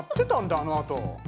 あのあと。